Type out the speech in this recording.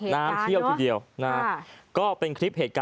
นี่คือในร้านค่ะ